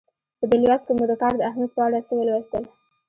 په دې لوست کې مو د کار د اهمیت په اړه څه ولوستل.